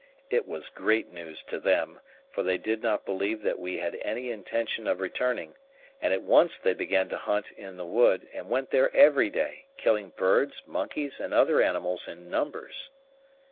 It was great news to them, for they did not believe that we had any intention of returning, and at once they began to hunt in the wood, and went there every day, killing birds, monkeys, and other animals in numbers.